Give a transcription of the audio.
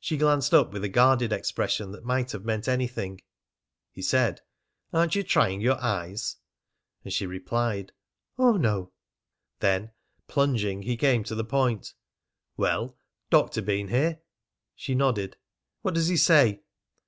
She glanced up with a guarded expression that might have meant anything. He said: "Aren't you trying your eyes?" And she replied: "Oh, no!" Then, plunging, he came to the point: "Well, doctor been here?" She nodded. "What does he say?"